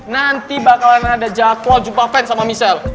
nanti bakalan ada jadwal jumpa fans sama michelle